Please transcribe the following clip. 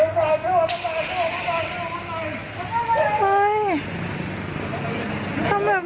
เอาใหม่เอาใหม่อีกเอามาอีกเอามาอีกชุบน้ำอย่าง